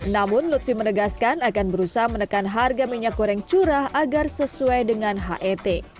namun lutfi menegaskan akan berusaha menekan harga minyak goreng curah agar sesuai dengan het